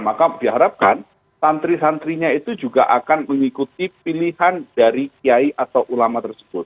maka diharapkan santri santrinya itu juga akan mengikuti pilihan dari kiai atau ulama tersebut